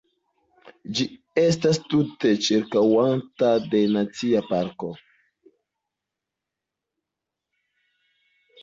Ĝi estas tute ĉirkaŭata de nacia parko.